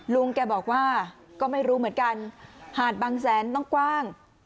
ลุงแกบอกว่าก็ไม่รู้เหมือนกันหาดบางแสนต้องกว้าง